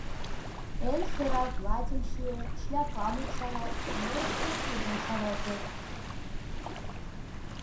Эн сӧрал платьым чиет, шляпам упшалат, нерышке пудрым шавалтет.